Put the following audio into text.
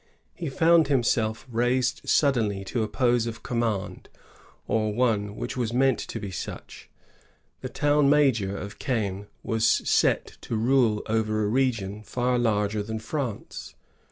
He found himself raised sud denly to a post of command, or one which was meant to be such. The town major of Caen was set to rule over a region far larger than France.